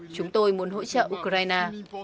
chúng tôi muốn hỗ trợ ukraine